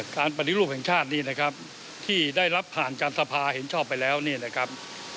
การปฏิรูปแห่งชาตินี้นะครับที่ได้รับผ่านการสภาเห็นชอบไปแล้วเนี่ยนะครับ